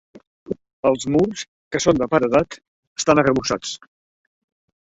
Els murs, que són de paredat, estan arrebossats.